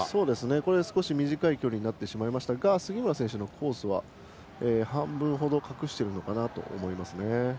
少し短い距離ですが杉村選手のコースは半分ほど隠しているのかなと思いますね。